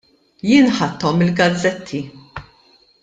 Jien ħadthom mill-gazzetti.